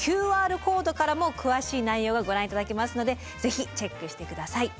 ＱＲコードからも詳しい内容がご覧頂けますのでぜひチェックして下さい。